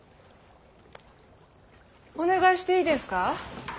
お願いしていいですか。